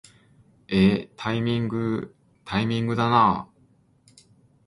えータイミングー、タイミングだなー